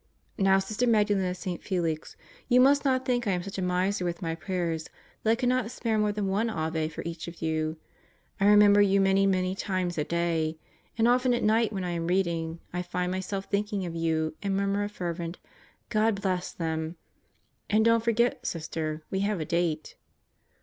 Now Sister Magdalen of St. Felix, you mu^t not think I am such a miser with my prayers that I could not spare more than one Ave for each of you. I remember you many, many times a day; and often at night when I am reading, I find myself thinking of you and murmur a fervent: "God bless theml" And don't forget, Sister, we have a date.